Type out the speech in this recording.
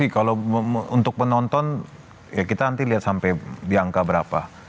kalau untuk penonton ya kita nanti lihat sampai di angka berapa